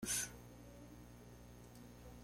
Todos los encuentros se disputaron en Ostende.